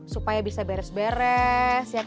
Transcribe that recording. supaya bisa beres beres